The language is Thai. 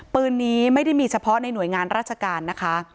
ปืนนี้ไม่ได้มีเฉพาะในหน่วยงานราชการนะคะ